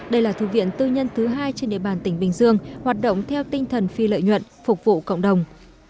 đây là thư viện tư nhân thứ hai trên địa bàn tỉnh bình dương hoạt động theo tinh thần phi lợi nhuận phục vụ cộng đồng